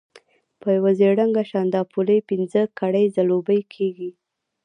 په یو ژېړ رنګه شانداپولي پنځه کړۍ ځلوبۍ کېږي.